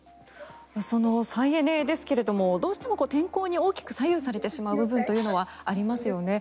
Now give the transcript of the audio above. その再エネですがどうしても天候に左右されてしまうということがありますね。